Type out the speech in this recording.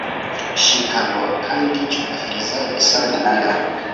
Chicago kandi cyubahiriza ibisabwa n ayo